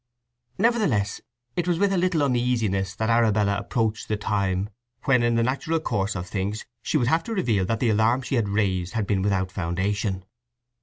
Nevertheless it was with a little uneasiness that Arabella approached the time when in the natural course of things she would have to reveal that the alarm she had raised had been without foundation.